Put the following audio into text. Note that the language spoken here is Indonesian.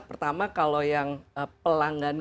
pertama kalau yang pelanggan